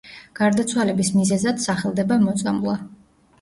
გარდაცვალების მიზეზად სახელდება მოწამვლა.